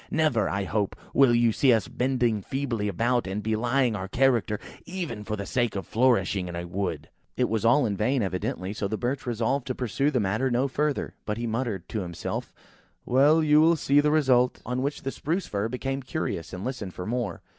Never, I hope, will you see us bending feebly about, and belying our character, even for the sake of flourishing in a wood!" It was all in vain, evidently; so the Birch resolved to pursue the matter no further, but he muttered to himself–"Well, you will see the result." On which the Spruce fir became curious, and listened for more.